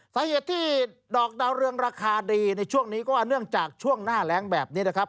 สาเหตุที่ดอกดาวเรืองราคาดีในช่วงนี้ก็เนื่องจากช่วงหน้าแรงแบบนี้นะครับ